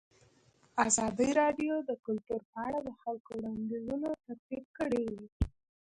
ازادي راډیو د کلتور په اړه د خلکو وړاندیزونه ترتیب کړي.